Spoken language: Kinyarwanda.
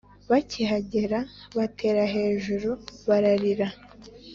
Bakihagera batera hejuru bararira